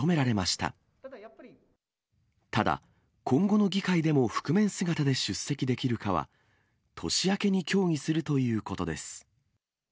ただ、今後の議会でも覆面姿で出席できるかは、年明けに協議するということです。